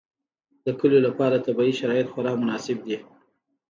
د کلیو لپاره طبیعي شرایط خورا مناسب دي.